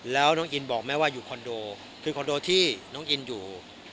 แล้วน้องอินบอกแม่ว่าอยู่คอนโดคือคอนโดที่น้องอินอยู่